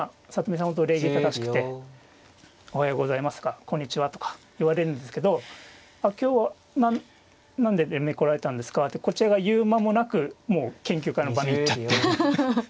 礼儀正しくておはようございますとかこんにちはとか言われるんですけど「今日は何で連盟来られたんですか」ってこちらが言う間もなくもう研究会の場に行っちゃって。